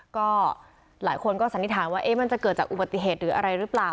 ก็หลายคนก็สันนิษฐานว่ามันจะเกิดจากอุบัติเหตุหรืออะไรหรือเปล่า